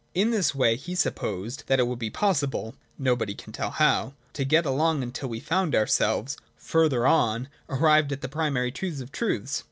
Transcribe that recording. In this way he sup posed that it would be possible, nobody can tell how, to get along, until we found ourselves, further on, arrived at the primary truth of truths.